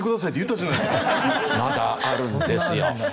まだあるんですよ。